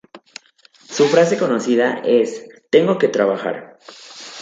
Su frase conocida es "tengo que trabajar".